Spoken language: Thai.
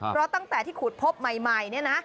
เพราะตั้งแต่ที่ขุดพบใหม่เนี่ยนะ